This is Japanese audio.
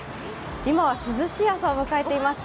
今は涼しい朝を迎えています。